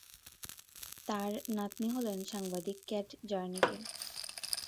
তাঁর নাতনী হলেন সাংবাদিক কেট জার্নিকে।